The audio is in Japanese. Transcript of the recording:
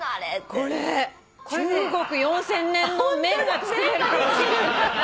これ中国４，０００年の麺が作れるかもしれない。